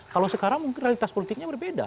kalau sekarang mungkin realitas politiknya berbeda